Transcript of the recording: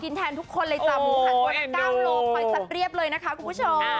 แทนทุกคนเลยจ้ะหมูหันวันละ๙โลคอยซัดเรียบเลยนะคะคุณผู้ชม